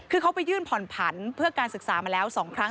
คือเขาไปยื่นผ่อนผันเพื่อการศึกษามาแล้ว๒ครั้ง